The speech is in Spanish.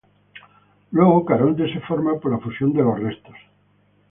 Luego Caronte se forma por la fusión de los restos.